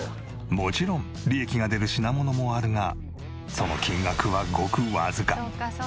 もちろん利益が出る品物もあるがその金額はごくわずか。